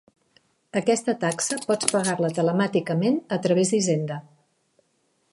Aquesta taxa pots pagar-la telemàticament a través d'Hisenda.